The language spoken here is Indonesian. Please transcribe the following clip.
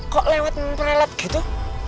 kok lewat prelat gitu